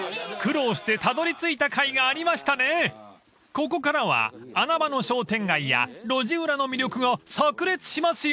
［ここからは穴場の商店街や路地裏の魅力が炸裂しますよ！］